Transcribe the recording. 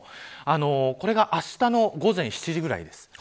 これがあしたの午前７時ぐらいです。